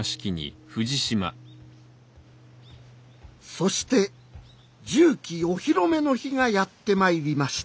そして什器お披露目の日がやってまいりました